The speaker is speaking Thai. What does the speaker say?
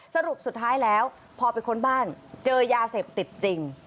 สรุปสุดท้ายแล้วพอไปค้นบ้านเจอยาเสพติดจริง